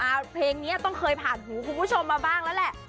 เพลงนี้ต้องเคยผ่านหูคุณผู้ชมมาบ้างแล้วแหละ